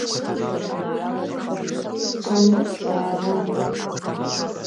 Сцон, саауан.